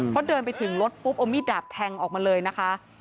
พอเดินไปถึงรถปุ๊บเอามีดดาบแทงออกมาเลยนะคะ